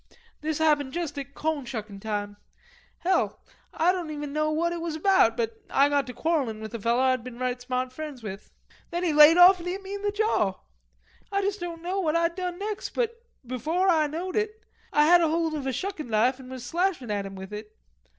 This happened just at coan shuckin' time. Hell, Ah don't even know what it was about, but Ah got to quarrellin' with a feller Ah'd been right smart friends with. Then he laid off an' hit me in the jaw. Ah don't know what Ah done next, but before Ah knowed it Ah had a hold of a shuck in' knife and was slashin' at him with it.